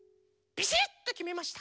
ビシッときめました。